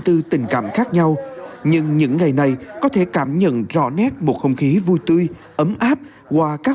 trạm khác nhau nhưng những ngày này có thể cảm nhận rõ nét một không khí vui tươi ấm áp qua các